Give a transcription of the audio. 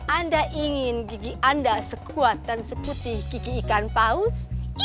anda ingin gigi anda sekuat dan sekutih gigi ikan paus